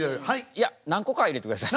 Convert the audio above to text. いや何個かは入れてください。